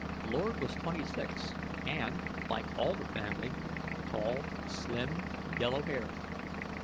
Lord was twenty six and, like all the family, tall, slim, yellow haired.